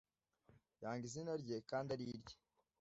yanga izina rye kandi arirye